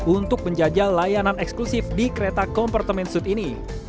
untuk menjajal layanan eksklusif di kereta kompartemen suit ini